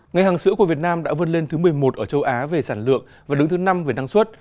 ngành hàng sữa của việt nam đã vươn lên thứ một mươi một ở châu á về sản lượng và đứng thứ năm về năng suất